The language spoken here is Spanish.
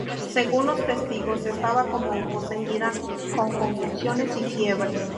Según los testigos, estaba como poseída con convulsiones y fiebre.